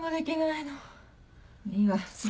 いいわ次。